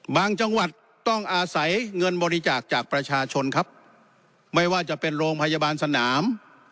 จังหวัดต้องอาศัยเงินบริจาคจากประชาชนครับไม่ว่าจะเป็นโรงพยาบาลสนาม